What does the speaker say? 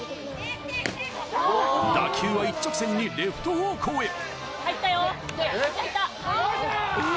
打球は一直線にレフト方向へ。